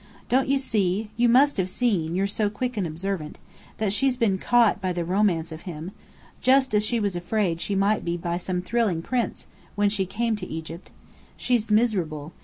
Don't you see you must have seen, you're so quick and observant that she's been caught by the romance of him, just as she was afraid she might be by some thrilling prince, when she came to Egypt. She's miserable.